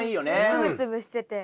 つぶつぶしてて。